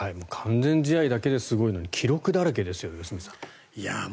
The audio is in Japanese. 完全試合だけですごいのに記録だらけですよ、良純さん。